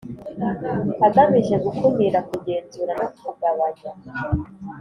Agamije gukumira kugenzura no kugabanya